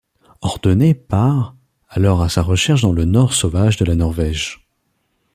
Ordener part alors à sa recherche dans le nord sauvage de la Norvège.